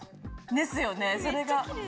ですよねそれが。